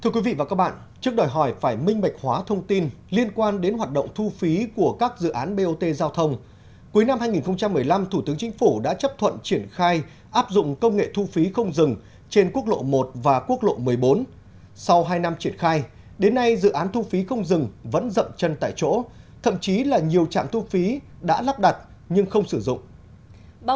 các bạn hãy đăng ký kênh để ủng hộ kênh của chúng mình nhé